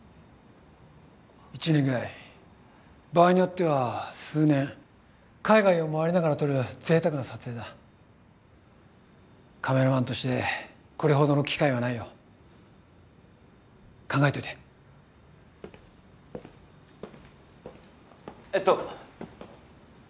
１年ぐらい場合によっては数年海外を回りながら撮る贅沢な撮影だカメラマンとしてこれほどの機会はないよ考えといてえっと